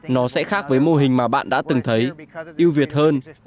nó sẽ khác với mô hình mà bạn đã từng thấy yêu việt hơn